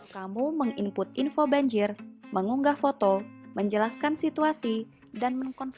kamu menginput info banjir mengunggah foto menjelaskan situasi dan mengkonfirmasi